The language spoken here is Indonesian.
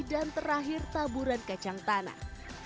dan terakhir taburan kacang tanah